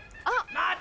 ・待て！